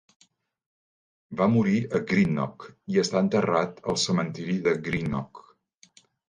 Va morir a Greenock i està enterrat al cementiri de Greenock.